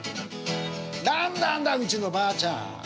何なんだうちのばあちゃん。